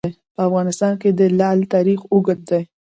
په افغانستان کې د لعل تاریخ اوږد دی.